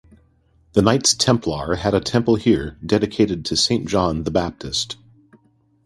The Knights Templar had a temple here dedicated to Saint John the Baptist.